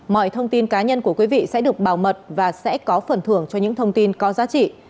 mọi thông tin cá nhân của quý vị sẽ được bảo mật và sẽ có phần thưởng cho những thông tin có giá trị